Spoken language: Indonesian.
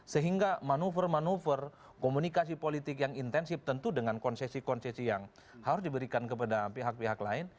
sehingga manuver manuver komunikasi politik yang intensif tentu dengan konsesi konsesi yang harus diberikan kepada pihak pihak lain